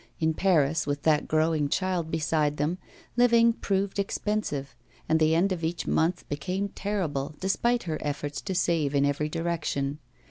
In Paris, with that growing child beside them, living proved expensive, and the end of each month became terrible, despite her efforts to save in every direction.